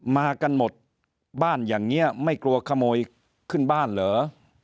มากันหมดบ้านอย่างนี้ไม่กลัวขโมยขึ้นบ้านเหรอ